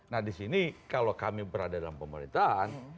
nah disini kalau kami berada dalam pemerintahan